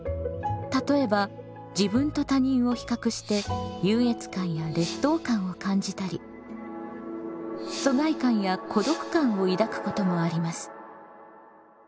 例えば自分と他人を比較して優越感や劣等感を感じたり疎外感や孤独感を抱くこともあります。